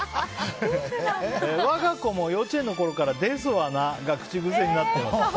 我が子も、幼稚園のころから「ですわな」が口癖になっています。